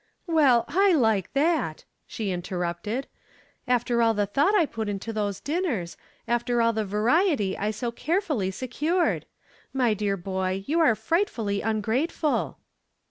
"Well, I like that," she interrupted. "After all the thought I put into those dinners, after all the variety I so carefully secured! My dear boy, you are frightfully ungrateful."